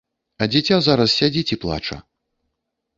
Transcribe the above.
А дзіця зараз сядзіць і плача!